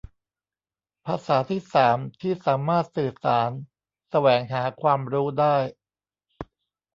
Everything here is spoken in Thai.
ภาษาที่สามที่สามารถสื่อสารแสวงหาความรู้ได้